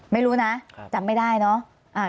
ไม่รู้นะจำไม่ได้เนอะ